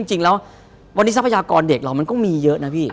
จริงแล้ววันนี้ทรัพยากรเด็กเรามันก็มีเยอะนะพี่